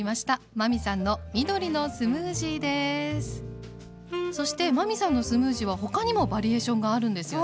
真海さんのそして真海さんのスムージーは他にもバリエーションがあるんですよね？